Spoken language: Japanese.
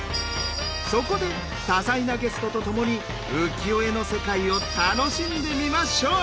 そこで多彩なゲストとともに浮世絵の世界を楽しんでみましょう！